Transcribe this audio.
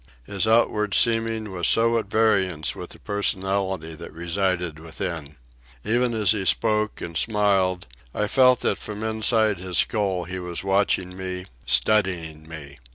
His outward seeming was so at variance with the personality that resided within. Even as he spoke and smiled I felt that from inside his skull he was watching me, studying me.